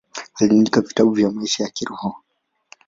Aliandika vitabu vya maisha ya kiroho.